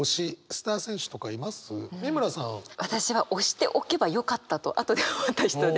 私は推しておけばよかったと後で思った人で。